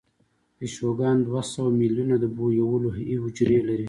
پیشوګان دوه سوه میلیونه د بویولو حجرې لري.